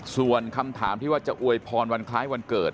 ส่วนคำถามที่ว่าจะอวยพรวันคล้ายวันเกิด